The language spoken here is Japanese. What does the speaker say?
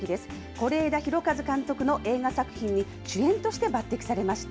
是枝裕和監督の映画作品に、主演として抜てきされました。